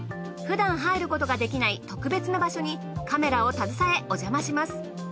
ふだん入ることができない特別な場所にカメラを携えおじゃまします。